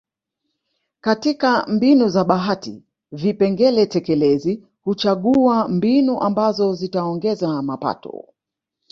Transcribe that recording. Katika mbinu za bahati vipengele tekelezi huchagua mbinu ambazo zitaongeza mapato